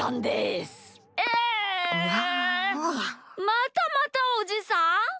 またまたおじさん？